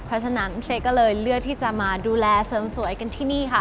เพราะฉะนั้นเค้กก็เลยเลือกที่จะมาดูแลเสริมสวยกันที่นี่ค่ะ